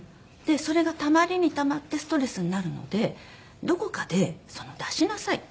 「それがたまりにたまってストレスになるのでどこかで出しなさい」。